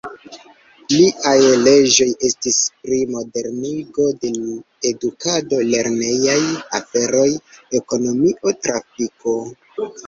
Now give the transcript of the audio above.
Pliaj leĝoj estis pri modernigo de edukado, lernejaj aferoj, ekonomio, trafiko.